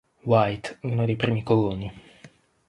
White, uno dei primi coloni.